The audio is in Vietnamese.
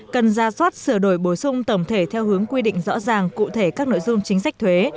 cần ra soát sửa đổi bổ sung tổng thể theo hướng quy định rõ ràng cụ thể các nội dung chính sách thuế